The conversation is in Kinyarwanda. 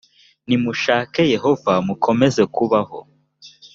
nimushake yehova mukomeze kubaho